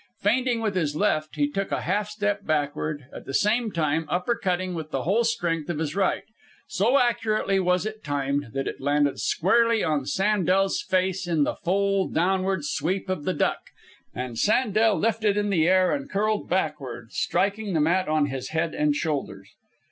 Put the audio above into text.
Feinting with his left he took a half step backward, at the same time upper cutting with the whole strength of his right. So accurately was it timed that it landed squarely on Sandel's face in the full, downward sweep of the duck, and Sandel lifted in the air and curled backward, striking the mat on his head and shoulders.